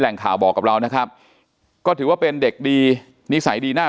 ข่าวบอกกับเรานะครับก็ถือว่าเป็นเด็กดีนิสัยดีน่า